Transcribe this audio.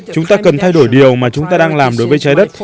chúng ta cần thay đổi điều mà chúng ta đang làm đối với trái đất